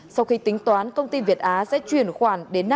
sau khi tính toán công ty việt á sẽ chuyển khoản đến nam